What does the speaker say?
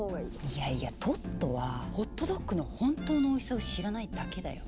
いやいやトットはホットドッグの本当のおいしさを知らないだけだよ。